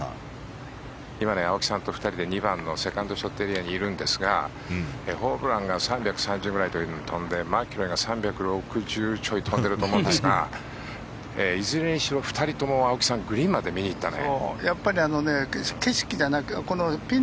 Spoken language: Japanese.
今、青木さんと２人で２番のセカンドショットエリアにいるんですがホブランが３３０ヤードぐらい飛んでマキロイが３６０ちょい飛んでると思うんですがいずれにしろ２人ともグリーンまで見に行ったね。